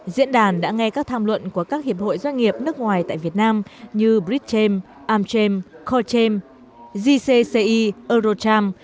diễn đàn đã nghe các tham luận của các hiệp hội doanh nghiệp nước ngoài tại việt nam như britchem amchem cochem gcci eurocharm